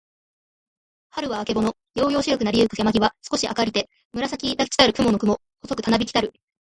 春はるは、あけぼの。やうやうしろくなりゆく山やまぎは、すこし明あかりて、紫むらさきだちたる雲くもの、細ほそくたなびきたる。